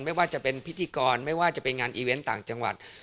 ไม่ว่าจะเป็นพิธีกรไม่ว่าจะเป็นงานอีเวนต์ต่างจังหวัด